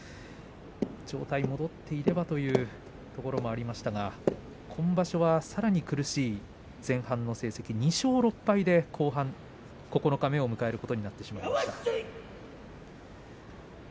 状態戻っていればというところもありましたが今場所はさらに苦しい前半の成績、２勝６敗で九日目を迎えることになってしまいました。